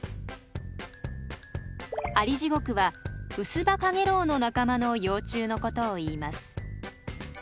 アリジゴクはウスバカゲロウの仲間の幼虫のことをいいます。